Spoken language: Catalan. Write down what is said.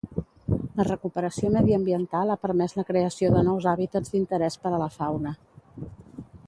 La recuperació mediambiental ha permès la creació de nous hàbitats d'interès per a la fauna.